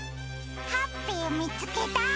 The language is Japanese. ハッピーみつけた！